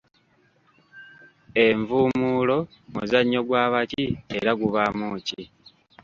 Envuumuulo muzannyo gwa baki era gubaamu ki?